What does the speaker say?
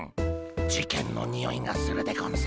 事件のにおいがするでゴンス。